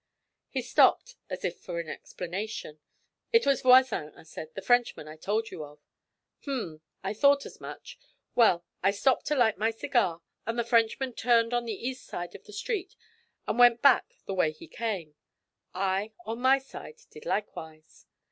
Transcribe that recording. He stopped, as if for an explanation. 'It was Voisin,' I said. 'The Frenchman I told you of.' 'Um! I thought as much! Well, I stopped to light my cigar, and the Frenchman turned on the east side of the street and went back the way he came; I, on my side, did likewise.